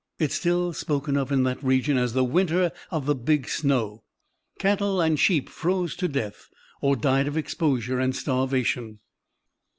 It is still spoken of in that region as "the winter of the big snow." Cattle and sheep froze to death or died of exposure and starvation.